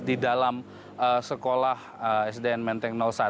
di dalam sekolah sdn menteng satu